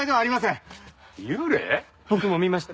僕も見ました。